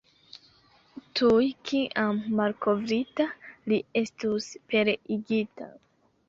Tuj kiam malkovrita, li estus pereigita.